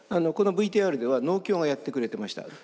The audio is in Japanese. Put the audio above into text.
このＶＴＲでは農協がやってくれてました。